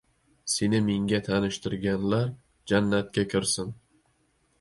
Seni menga tanishtirganlar, jannatga kirsin.